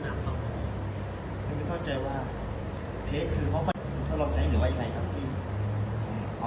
ก็หมายความว่าทางบริษัทนี้ค่ะเคยได้คุยกับบริษัทเติมเกี่ยวกับการทำข้อบคุณคิดทางนี้ด้วยล่ะ